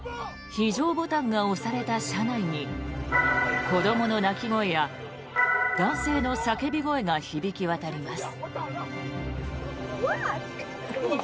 非常ボタンが押された車内に子どもの泣き声や男性の叫び声が響き渡ります。